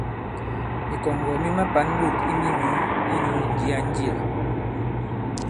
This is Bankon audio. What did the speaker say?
Mìkɔ̀ŋgɔ̀ mi ka-pa᷇n ɓôt i minyǔ inyū ǹjia-njià.